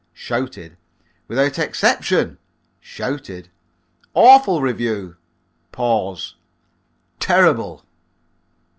(shouted) without exception! (shouted) awful review! Terrible!"